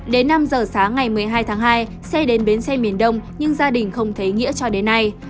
đến năm giờ sáng ngày một mươi hai tháng hai xe đến bến xe miền đông nhưng gia đình không thấy nghĩa cho đến nay